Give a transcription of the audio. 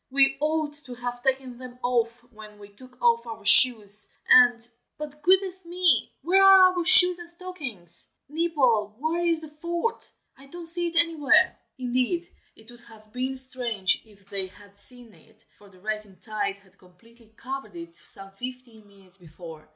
We ought to have taken them off when we took off our shoes and but, goodness me! where are our shoes and stockings? Nibble, where is the fort? I don't see it anywhere." Indeed, it would have been strange if they had seen it, for the rising tide had completely covered it some fifteen minutes before.